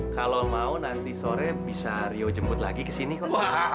kalau mau nanti sore bisa rio jemput lagi ke sini kok